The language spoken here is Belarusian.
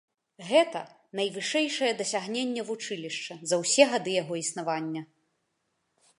Гэта найвышэйшае дасягненне вучылішча за ўсе гады яго існавання.